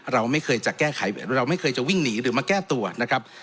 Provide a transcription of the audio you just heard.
เราไม่เคยจะแก้ไขเราไม่เคยจะวิ่งหนีหรือมาแก้ตัวนะครับ